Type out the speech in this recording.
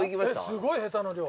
すごいヘタの量。